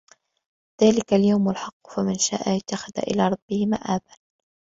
ذلِكَ اليَومُ الحَقُّ فَمَن شاءَ اتَّخَذَ إِلى رَبِّهِ مَآبًا